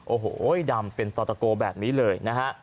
โอ้โหดำเป็นต่อตะโกแบบนี้เลยนะฮะ